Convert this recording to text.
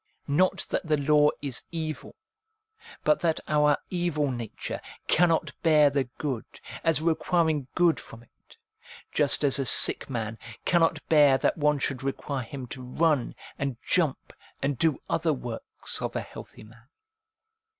Not that the law is evil, but that our evil nature cannot bear the good, as requiring good from PROLOGUE TO ROMANS 343 it ; just as a sick man cannot bear that one should require him to run and jump and do other works of a healthy man.